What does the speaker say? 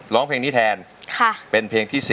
ร้องเพลงนี้แทน